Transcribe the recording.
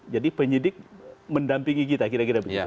jadi penyidik mendampingi kita kira kira begitu